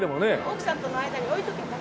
奥さんとの間に置いとけば？